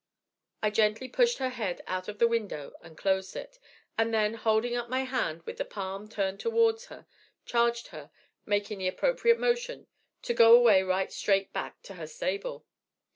I gently pushed her head out of the window and closed it, and then, holding up my hand, with the palm turned toward her, charged her, making the appropriate motion, to 'go away right straight back to her stable.'